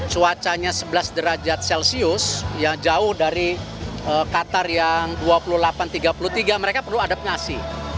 cuacanya sebelas derajat celcius jauh dari qatar yang dua puluh delapan tiga puluh tiga mereka perlu adaptasi